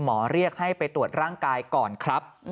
หมอเรียกให้ไปตรวจร่างกายก่อนครับ